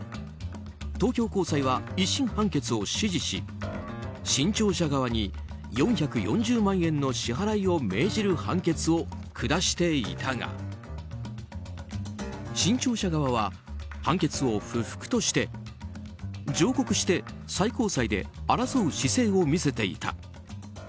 東京高裁は１審判決を支持し新潮社側に４４０万円の支払いを命じる判決を下していたが新潮社側は判決を不服として上告して最高裁で争う姿勢を見せていた。